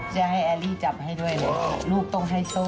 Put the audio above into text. จะให้แอลลี่จับให้ด้วยเลยลูกต้องให้โซ่